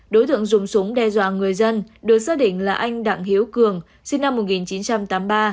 đối tượng dùng súng đe dọa người dân được xác định là anh đặng hiếu cường sinh năm một nghìn chín trăm tám mươi ba